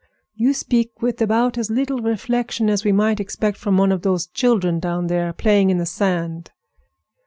You speak with about as little reflection as we might expect from one of those children down there playing in the sand.